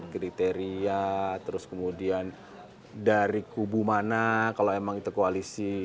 kriteria terus kemudian dari kubu mana kalau emang itu koalisi